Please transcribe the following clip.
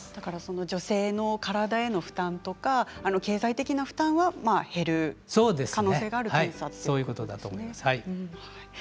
女性の体への負担とか経済的な負担は減る可能性があるということですね。